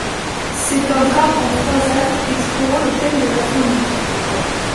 C'est un drame en trois actes explorant le thème de la folie.